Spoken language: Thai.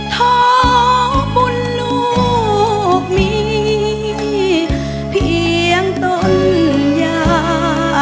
ท้องคุณลูกมีเพียงต้นยา